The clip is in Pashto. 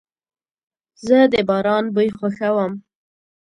زه د باران بوی خوښوم.